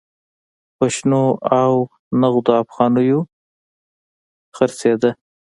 په شنو او نغدو افغانیو خرڅېده.